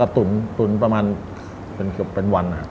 แล้วก็ตุ๋นประมาณเป็นวันนะครับ